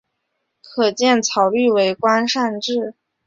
可见曹摅为官善治。